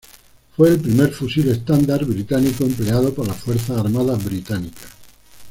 Fue el primer fusil estándar británico empleado por las fuerzas armadas británicas.